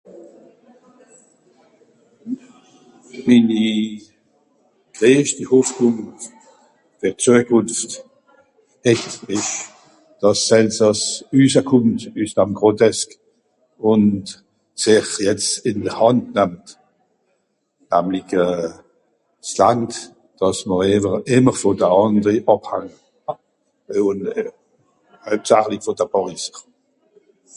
Minni greeschti Hoffnùng, fer d'Züekùnft, ìsch, dàss s'Elsàss üsser kùmmt üss dam Grotesque, ùnd sìch jetz ìn de Hànd nammt, namlig euh... s'Land, dàss mr ìwwer euh... ìmmer vù de àndere àbhangt. Ùn euh... hoeiptsachlig vù de Pàriser.